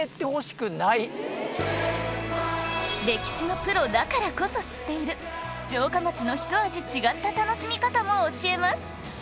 歴史のプロだからこそ知っている城下町のひと味違った楽しみ方も教えます